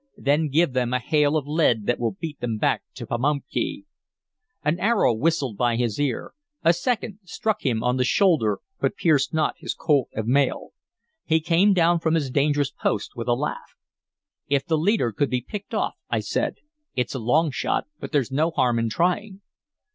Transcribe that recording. "Then give them a hail of lead that will beat them back to the Pamunkey!" An arrow whistled by his ear; a second struck him on the shoulder, but pierced not his coat of mail. He came down from his dangerous post with a laugh. "If the leader could be picked off" I said. "It's a long shot, but there's no harm in trying."